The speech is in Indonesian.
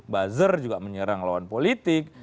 buzzer juga menyerang lawan politik